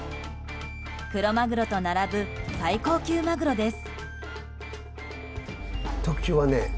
クロマグロと並ぶ最高級マグロです。